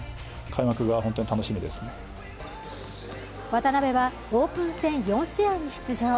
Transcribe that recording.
渡邊はオープン戦４試合に出場。